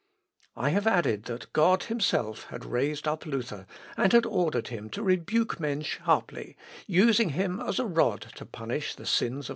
I have added that God himself had raised up Luther, and had ordered him to rebuke men sharply, using him as a rod to punish the sins of the world."